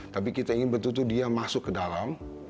tapi kita ingin betul betul dia masuk ke dalam